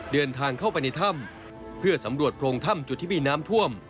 เดินทางเข้าไปในถ้ำเพื่อสำรวจโพรงถ้ำจุดที่มีน้ำท่วม